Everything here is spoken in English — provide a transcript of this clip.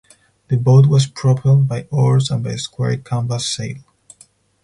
The boat was propelled by oars and by a square canvas sail.